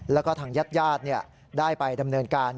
แล้วก็ทางญาติญาติได้ไปดำเนินการ